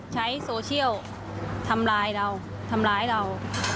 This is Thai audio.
ใช้โซเชียลทำร้ายเราทำร้ายเรา